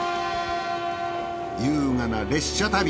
優雅な列車旅。